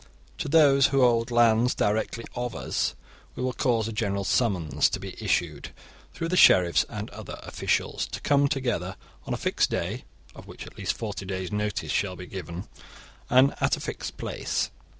To those who hold lands directly of us we will cause a general summons to be issued, through the sheriffs and other officials, to come together on a fixed day (of which at least forty days notice shall be given) and at a fixed place.